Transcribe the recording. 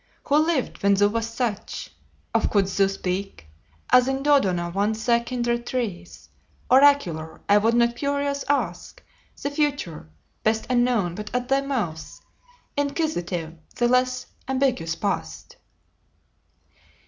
Who lived when thou wast such? Of couldst thou speak, As in Dodona once thy kindred trees Oracular, I would not curious ask The future, best unknown, but at thy mouth Inquisitive, the less ambiguous past."